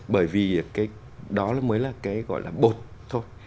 bởi vì cái đó mới là cái gọi là bột thôi